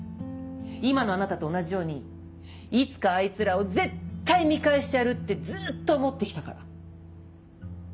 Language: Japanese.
今のあなたと同じようにいつかあいつらを絶対見返してやるってずっと思ってきたから。